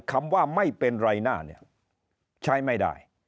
คำว่าไม่เป็นไรหน้าเนี่ยใช้ไม่ได้